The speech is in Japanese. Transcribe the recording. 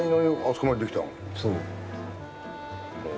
そう。